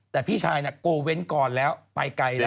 แต่พี่ชายน่ะโกเว้นก่อนแล้วไปไกลแล้ว